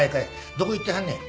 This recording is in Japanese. どこ行ってはんねん？